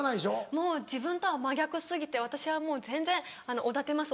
もう自分とは真逆過ぎて私はもう全然おだてます